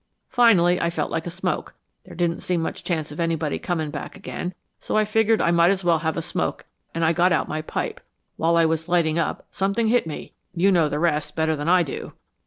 Finally I felt like a smoke. There didn't seem much chance of anybody coming back again, so I figured I might as well have a smoke and I got out my pipe. While I was lighting up, something hit me. You know the rest better than I do."